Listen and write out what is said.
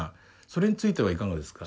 それについてはいかがですか。